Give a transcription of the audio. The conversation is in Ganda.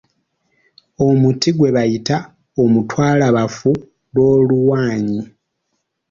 Omuti gwe bayita omutwalabafu lw'oluwaanyi.